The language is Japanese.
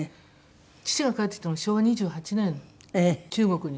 父が帰ってきたの昭和２８年中国にいて。